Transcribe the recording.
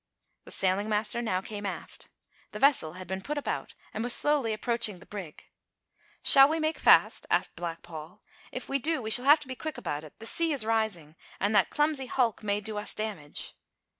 The sailing master now came aft. The vessel had been put about and was slowly approaching the brig. "Shall we make fast?" asked Black Paul. "If we do we shall have to be quick about it; the sea is rising, and that clumsy hulk may do us damage."